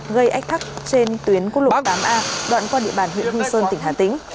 gây ách tắc trên tuyến quốc lộ tám a đoạn qua địa bàn huyện hương sơn tỉnh hà tĩnh